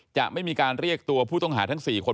จะไม่มีการเรียกตัวผู้ต้องหาทั้ง๔คน